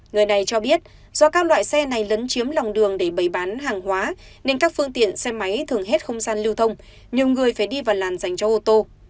người này cho biết do các loại xe này lấn chiếm lòng đường để bày bán hàng hóa nên các phương tiện xe máy thường hết không gian lưu thông nhiều người phải đi vào làn dành cho ô tô